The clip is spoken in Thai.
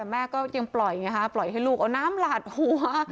แต่แม่ก็ยังปล่อยอย่างนี้ค่ะปล่อยให้ลูกเอาน้ำหลาดหัว